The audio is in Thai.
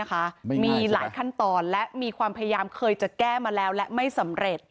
มีหลายขั้นตอนและมีความพยายามเคยจะแก้มาแล้วและไม่สำเร็จ